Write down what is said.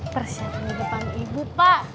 persiapkan diri pang ibu pak